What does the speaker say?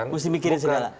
mesti bikin segala